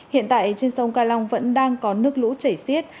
hiện tại trên sông ca long vẫn đang có nước lũ chảy xiết